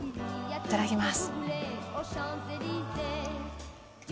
いただきます。